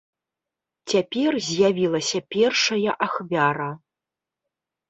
Цяпер з'явілася першая ахвяра.